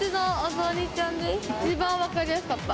一番分かりやすかった！